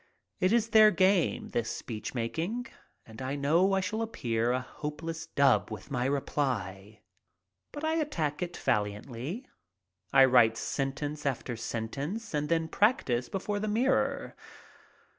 It is their game, this speechmaking, and I know I shall appear a hopeless dub with my reply. But I attack it valiantly. I write sentence after sentence and then practice before the mirror.